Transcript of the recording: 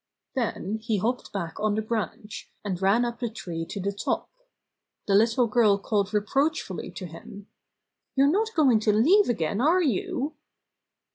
Then he hopped back on the branch, and ran up the tree to the top. The little girl called reproachfully to him. "You're not go ing to leave again, are you?"